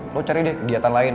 lo cari deh kegiatan lain